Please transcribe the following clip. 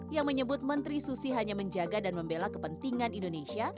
yang menyebut menteri susi hanya menjaga dan membela kepentingan indonesia